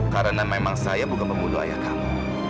karena memang saya bukan pembunuh ayah kamu